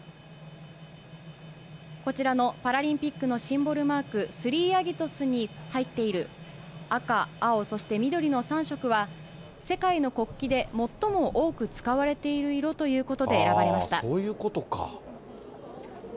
こちらのパラリンピックのシンボルマーク、スリーアギトスに入っている赤、青、そして緑の３色は、世界の国旗で最も多く使われている色ということで、選ばれました。